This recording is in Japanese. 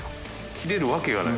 切れるわけがない。